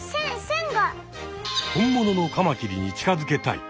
本物のカマキリに近づけたい。